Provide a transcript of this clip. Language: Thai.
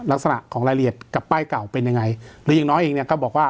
ลักษณะของรายละเอียดกับป้ายเก่าเป็นยังไงหรืออย่างน้อยเองเนี่ยก็บอกว่า